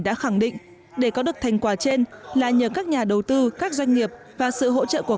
đã khẳng định để có được thành quả trên là nhờ các nhà đầu tư các doanh nghiệp và sự hỗ trợ của